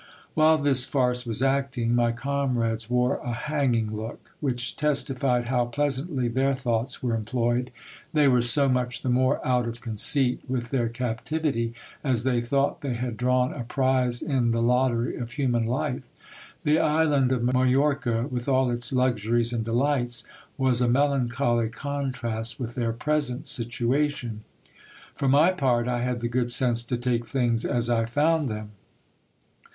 While this farce was acting, my comrades wore a hanging look, which testi fied how pleasantly their thoughts were employed. They were so much the more out of conceit with their captivity, as they thought they had drawn a prize in the lottery of human life. The island of Majorca, with all its luxuries and delights, was a melancholy contrast with their present situation. For my part, I had the good sense to take things as I found them.